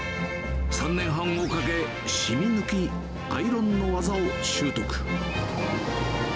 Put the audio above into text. ３年半をかけ、染み抜き、アイロンの技を習得。